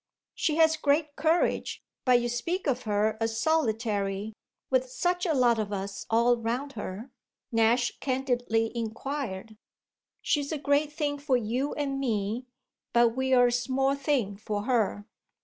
"She has great courage, but you speak of her as solitary with such a lot of us all round her?" Nash candidly inquired. "She's a great thing for you and me, but we're a small thing for her."